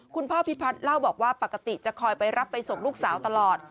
คุณพ่อพิพัฒน์เล่าบอกว่าปกติจะคอยไปรับไปส่งลูกสาวตลอด